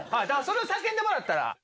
だから、それを叫んでもらったら。